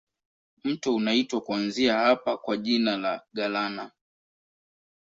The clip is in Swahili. Mto unaitwa kuanzia hapa kwa jina la Galana.